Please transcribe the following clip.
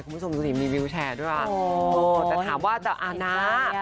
คุณผู้ชมดูสิมีวิวแชร์ด้วยแต่ถามว่าจะอานะ